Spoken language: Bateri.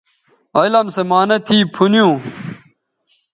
علم سو معانہ تھی پُھنیوں